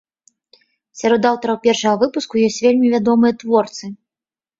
Сярод аўтараў першага выпуску ёсць вельмі вядомыя творцы.